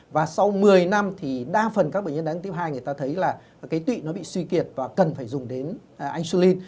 và sau một mươi năm thì đa phần các bệnh nhân đài tháo đường tiếp hai người ta thấy là cái tụy nó bị suy kiệt và cần phải dùng đến insulin